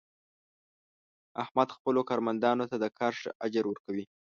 احمد خپلو کارمندانو ته د کار ښه اجر ور کوي.